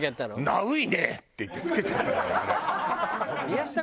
「ナウいね！」って言って付けちゃったのよあれ。